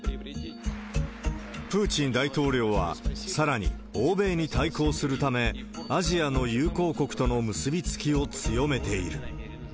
プーチン大統領はさらに、欧米に対抗するため、アジアの友好国との結び付きを強めている。